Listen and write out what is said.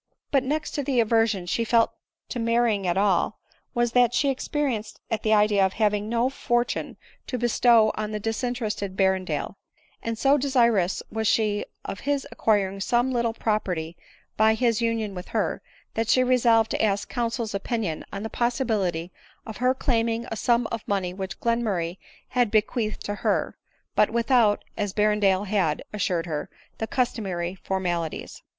But next to the aversion she felt to marrying at all, was that she experienced at the idea of having no fop tune to bestow on the disinterested Berrendale ; and so desirous was she of his acquiring some little property by his union with her, that she resolved to ask counsel's opinion on the possibility of her claiming a sum of money which Glenmurray had bequeathed her, but without, as Berrendale had assured her, the customary formalities.